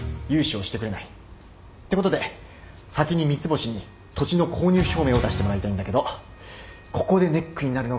ってことで先に三ツ星に土地の購入証明を出してもらいたいんだけどここでネックになるのが